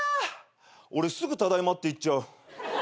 俺すぐ「ただいま」って言っちゃう。